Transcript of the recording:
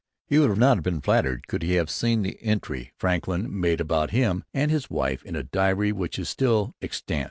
He would not have been flattered could he have seen the entry Franklin made about him and his wife in a diary which is still extant.